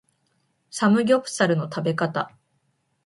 サムギョプサルの食べ方